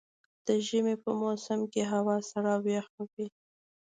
د ژمي په موسم کې هوا سړه او يخه وي.